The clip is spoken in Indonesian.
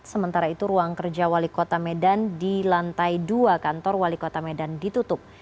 sementara itu ruang kerja wali kota medan di lantai dua kantor wali kota medan ditutup